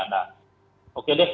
nah oke deh